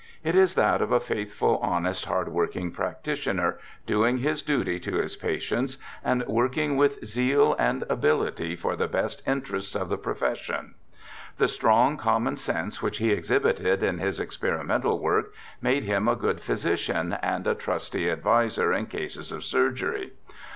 It is that of a faithful, honest, hard working practitioner, doing his duty to his patients, and working with zeal and ability for the best interests of the profession. The strong common sense which he exhibited in his experimental work made him a good ph3'sician and a trust} adviser in cases of surgery.